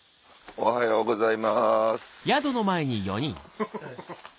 おはようございます。